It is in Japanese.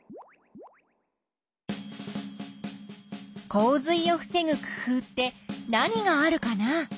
洪水を防ぐ工夫って何があるかな？